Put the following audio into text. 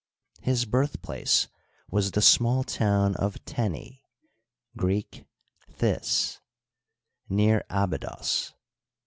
His birthplace was the small town of Teni (Greek, This), near Abydos.